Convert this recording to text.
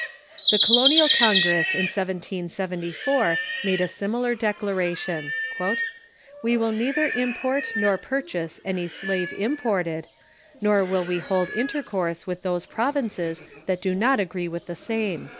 The Colonial Congress in 1774 made a similar declaration :" We will neither import nor purchase any slave imported, nor will we hold intercourse with those provinces that do not agree with the same."